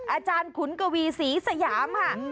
อาจารย์ขุนกวีศรีสยามค่ะ